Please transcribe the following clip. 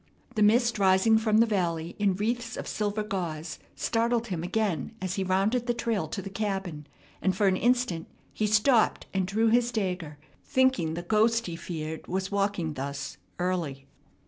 The mist rising from the valley in wreaths of silver gauze startled him again as he rounded the trail to the cabin, and for an instant he stopped and drew his dagger, thinking the ghost he feared was walking thus early.